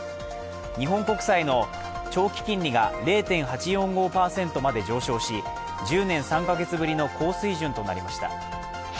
日本国債の長期金利が０．８４５％まで上昇し１０年３か月ぶりの高水準となりました。